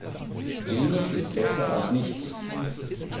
Wenig ist besser als nichts.